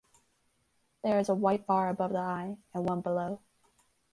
There is a white bar above the eye and one below.